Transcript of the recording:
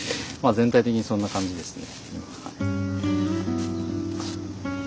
全体的にそんな感じですね。